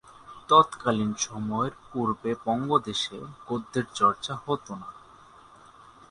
তৎকালীন সময়ের পূর্বে বঙ্গদেশে গদ্যের চর্চা হতো না।